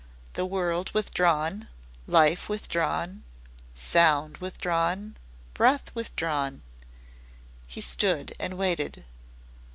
The world withdrawn life withdrawn sound withdrawn breath withdrawn. He stood and waited.